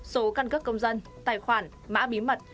số căn cấp công dân tài khoản mã bí mật